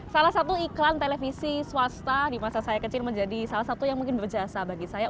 salah satu iklan televisi swasta di masa saya kecil menjadi salah satu yang mungkin berjasa bagi saya